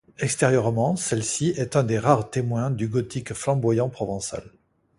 Extérieurement, celle-ci, est un des rares témoins du gothique flamboyant provençal.